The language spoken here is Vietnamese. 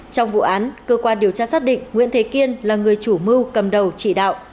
trong vụ án cơ quan điều tra xác định nguyễn thế kiên là người chủ mưu cầm đầu chỉ đạo